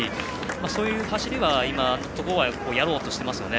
そういう走りは今のところやろうとしていますよね。